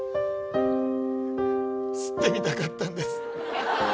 吸ってみたかったんです。